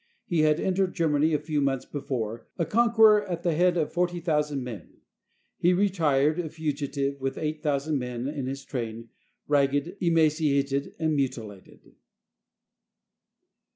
He had en tered Germany a few months before, a conqueror at the head of 40,000 men. He retired a fugitive with 8000 men in his train, ragged, emaciated, and mutilated.